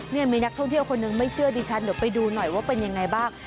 นี่มีนักท่องเที่ยวคนหนึ่งไม่เชื่อดิฉันเดี๋ยวไปดูหน่อยว่าเป็นยังไงบ้าง